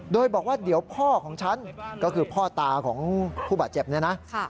โดยบอกว่าเดี๋ยวพ่อของฉันก็คือพ่อตาของผู้บาดเจ็บเนี่ยนะ